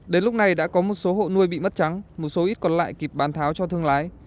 đến lúc này đã có một số hộ nuôi bị mất trắng một số ít còn lại kịp bán tháo cho thương lái